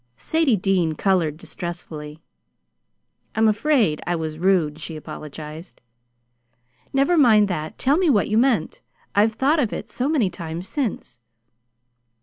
Sadie Dean colored distressfully. "I'm afraid I was rude," she apologized. "Never mind that. Tell me what you meant. I've thought of it so many times since."